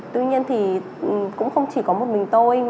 tuy nhiên thì cũng không chỉ có một mình tôi